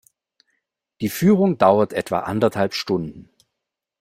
Die Führung dauert etwa anderthalb Stunden.